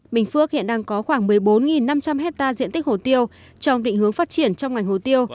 bình phước hiện đang có khoảng một mươi bốn năm trăm linh hectare diện tích hồ tiêu trong định hướng phát triển trong ngành hồ tiêu